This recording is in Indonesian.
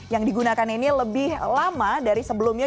yang digunakan ini lebih lama dari sebelumnya